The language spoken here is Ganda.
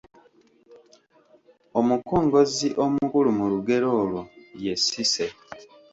omukongozzi omukulu mu lugero olwo ye Cissy.